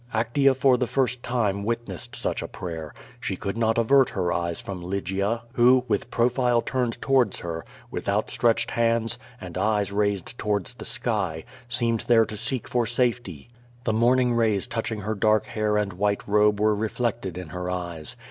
Actea for the first time witnessed such a prayer. She could not avert her eyes from Lygia, who, with profile turned towards her, with outstretched hands, and eyes raised to wards the sky, seemed there to seek for safety. The morn ing rays touching her dark hair and white robe were reflected in her eyes.